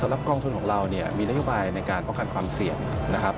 รับกองทุนของเราเนี่ยมีนโยบายในการป้องกันความเสี่ยงนะครับ